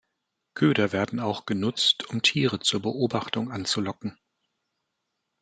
Köder werden auch genutzt, um Tiere zur Beobachtung anzulocken.